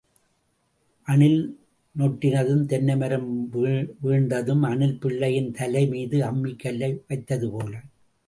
அணில் நொட்டினதும் தென்னமரம் வீழ்ந்ததும், அணில் பிள்ளையின் தலை மீது அம்மிக் கல்லை வைத்தது போல.